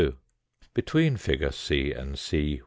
Between figure C and C.